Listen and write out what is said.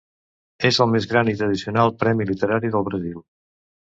És el més gran i tradicional premi literari del Brasil.